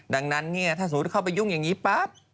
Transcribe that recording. ดังนั้นเนี่ยถ้าสมมุติเข้าไปยุ่งอย่างนี้ปั๊บ